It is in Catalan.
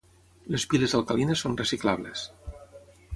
Les piles alcalines són reciclables.